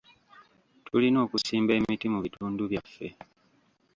Tulina okusimba emiti mu bitundu byaffe.